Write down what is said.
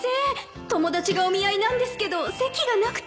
友達がお見合いなんですけど席がなくて